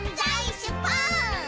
「しゅぽーん！」